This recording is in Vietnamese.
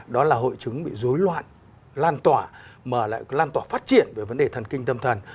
đó là hội chứng bị dối loạn lan tỏa mà lại lan tỏa phát triển về vấn đề thần kinh tâm thần